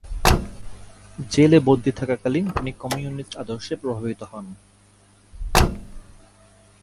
জেলে বন্দী থাকাকালীন তিনি কমিউনিস্ট আদর্শে প্রভাবিত হন।